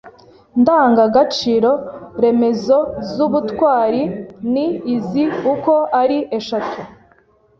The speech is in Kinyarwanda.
ndangagaciro remezo z’ubutwari ni izi uko ari eshatu